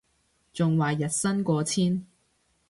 仲話日薪過千